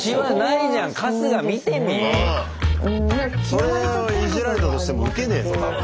それをイジられたとしてもウケねえぞ多分。